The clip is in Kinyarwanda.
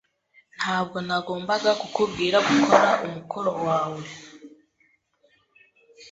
Ntabwo nagomba kukubwira gukora umukoro wawe.